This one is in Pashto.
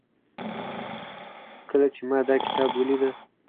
کله چې ما دا کتاب وليده